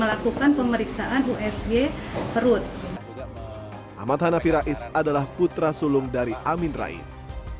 amat hanafi rais adalah putra sulung dari amin rais